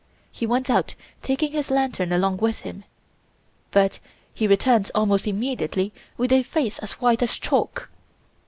He went out taking his lantern along with him, but he returned almost immediately with a face as white as chalk.